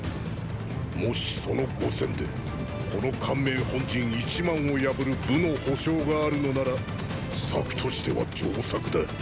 もしその五千でこの汗明本陣一万を破る武の保証があるのなら策としては上策だ。